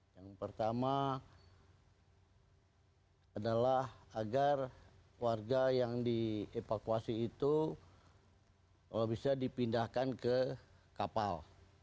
yang pertama adalah agar warga yang dievakuasi itu bisa dipindahkan ke kapal